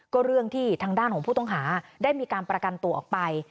ก็เรื่องที่ทางด้านของผู้ต้องหาได้มีการประกันตัวออกไป